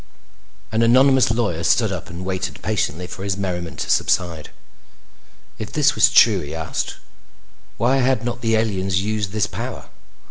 An anonymous lawyer stood up and waited patiently for his merriment to subside. If this was true, he asked, why had not the aliens used this power?